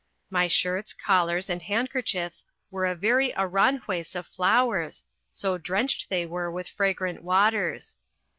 My shirts, collars, and handkerchiefs were a very Aranjuez of flowers, so drenched they were with fragrant waters.